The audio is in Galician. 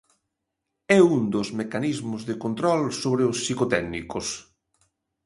É un dos mecanismos de control sobre os psicotécnicos.